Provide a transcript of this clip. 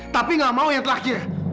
tapi gak mau yang terakhir